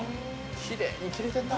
◆きれいに切れてるな。